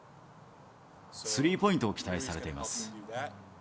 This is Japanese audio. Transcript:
スリーポイントを期待されています。